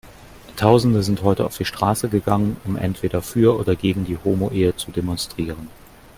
Tausende sind heute auf die Straße gegangen, um entweder für oder gegen die Homoehe zu demonstrieren.